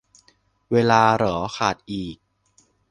เวลา เหรอ ขาดอีก